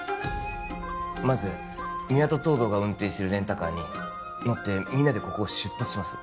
まず三輪と東堂が運転してるレンタカーに乗ってみんなでここを出発します